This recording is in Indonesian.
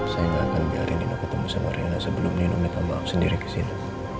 saya tidak akan biarkan nino ketemu sama rena sebelum nino mengambilkan maaf sendiri ke sini